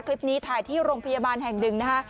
คลิปนี้ถ่ายที่โรงพยาบาลแห่งหนึ่งนะคะ